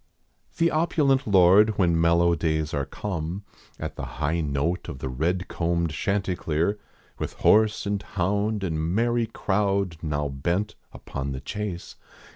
The opulent lord when mellow days are come, At the high note of red combed chanticleer, With horse and hound and merrv crowd now bent rpon the chase.